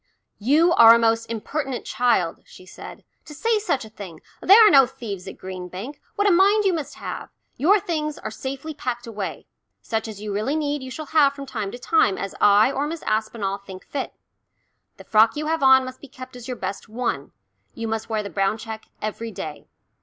"You are a most impertinent child," she said, "to say such a thing. There are no thieves at Green Bank what a mind you must have! Your things are safely packed away. Such as you really need you shall have from time to time as I or Miss Aspinall think fit. The frock you have on must be kept as your best one, and you must wear the brown check every day.